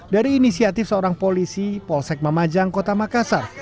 dari inisiatif seorang polisi polsek mamajang kota makassar